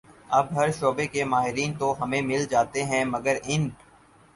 اب ہر شعبے کے ماہرین تو ہمیں مل جاتے ہیں مگر ان